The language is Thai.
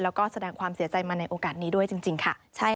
แล้วก็แสดงความเสียใจมาในโอกาสนี้ด้วยจริงค่ะ